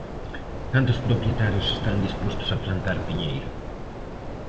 ¿Cantos propietarios están dispostos a plantar piñeiro?